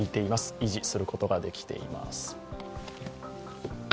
維持することができています。